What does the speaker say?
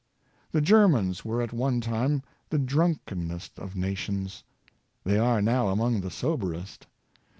The Germans were at one time the drunkenest of nations. They are now among the soberest.